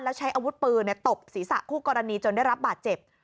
แล้วใช้อาวุธปืนตบศีรษะคู่กรณีจนได้รับบาดเจ็บ